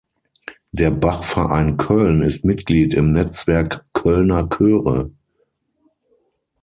Der Bach-Verein Köln ist Mitglied im Netzwerk Kölner Chöre.